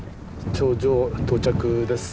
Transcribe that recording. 頂上到着です。